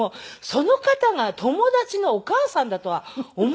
その方が友達のお母さんだとは思わなかったんですよね。